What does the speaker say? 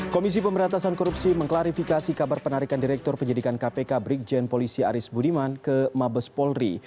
komisi pemberantasan korupsi mengklarifikasi kabar penarikan direktur penyidikan kpk brigjen polisi aris budiman ke mabes polri